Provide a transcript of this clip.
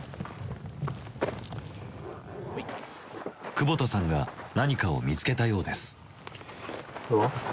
久保田さんが何かを見つけたようです。